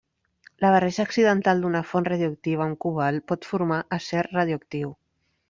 La barreja accidental d'una font radioactiva amb cobalt pot formar acer radioactiu.